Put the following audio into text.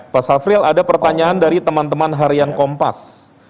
pak safril ada pertanyaan dari teman teman harian kompas